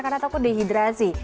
karena takut dehidrasi